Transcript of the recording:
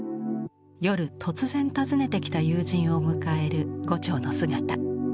夜突然訪ねてきた友人を迎える牛腸の姿。